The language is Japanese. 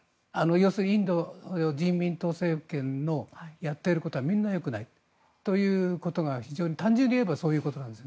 要するにインド人民党政権のやっていることはみんなよくないということが単純に言えばそういうことなんです。